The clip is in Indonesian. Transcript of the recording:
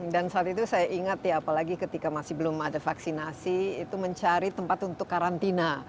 dan saat itu saya ingat ya apalagi ketika masih belum ada vaksinasi itu mencari tempat untuk karantina